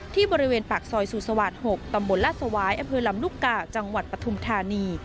ที่บริเวณปากซอยสุสวาส๖ตำบลลาสวายอำเภอลำลูกกาจังหวัดปฐุมธานี